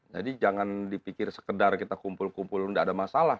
jadi jangan dipikir sekedar kita kumpul kumpul tidak ada masalah